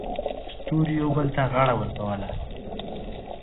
ستورو یو بل ته غاړه ورکوله.